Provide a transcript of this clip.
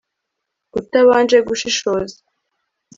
utabanje gushishoza